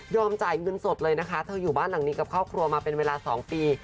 จ่ายเงินสดเลยนะคะเธออยู่บ้านหลังนี้กับครอบครัวมาเป็นเวลา๒ปี